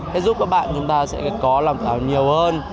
sẽ giúp các bạn chúng ta sẽ có lòng tự hào nhiều hơn